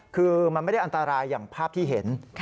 คือมันไม่ได้อันตรายอย่างภาพที่เห็น